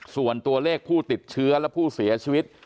ส่วนตัวเลขผู้ติดเชื้อและผู้เสียชีวิต